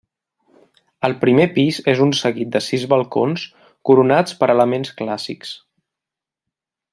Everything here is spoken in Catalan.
El primer pis és un seguit de sis balcons coronats per elements clàssics.